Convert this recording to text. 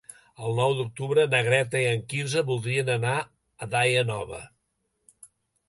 El nou d'octubre na Greta i en Quirze voldrien anar a Daia Nova.